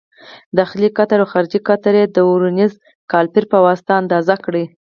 داخلي قطر او خارجي قطر یې د ورنیز کالیپر په واسطه اندازه کړئ.